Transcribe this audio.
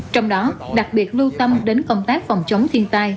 trong đó đặc biệt lưu tâm đến công tác phòng chống thiên tai